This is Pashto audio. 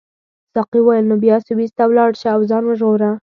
ساقي وویل نو بیا سویس ته ولاړ شه او ځان وژغوره.